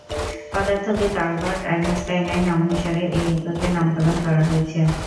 পদার্থবিদ Albert আইনস্টাইনের নামানুসারে এই এককের নামকরণ করা হয়েছে।